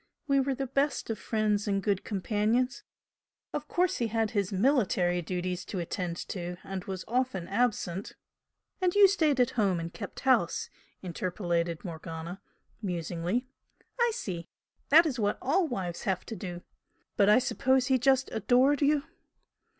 We were the best of friends and good companions. Of course he had his military duties to attend to and was often absent " "And you stayed at home and kept house," interpolated Morgana, musingly "I see! That is what all wives have to do! But I suppose he just adored you?"